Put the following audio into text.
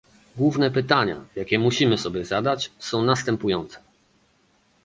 Główne pytania, jakie musimy sobie zadać, są następujące